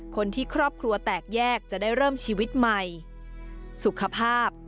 ครอบครัวแตกแยกจะได้เริ่มชีวิตใหม่สุขภาพ